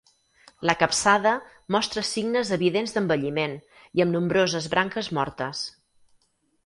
La capçada mostra signes evidents d'envelliment i amb nombroses branques mortes.